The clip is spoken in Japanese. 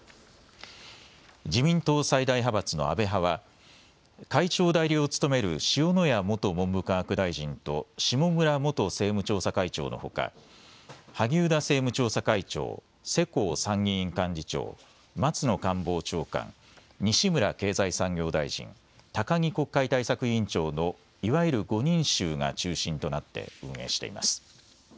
自民党最大派閥の安倍派は会長代理を務める塩谷元文部科学大臣と下村元政務調査会長のほか萩生田政務調査会長、世耕参議院幹事長、松野官房長官、西村経済産業大臣、高木国会対策委員長のいわゆる５人衆が中心となって運営しています。